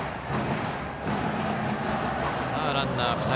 ランナーが２人。